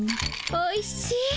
おいしい。